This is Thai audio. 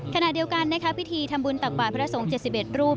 ขณะเดียวกันนะคะพิธีทำบุญตักบาทพระสงฆ์๗๑รูป